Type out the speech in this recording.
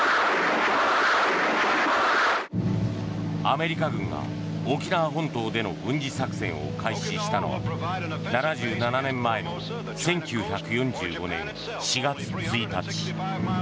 アメリカ軍が沖縄本島での軍事作戦を開始したのは７７年前の１９４５年４月１日。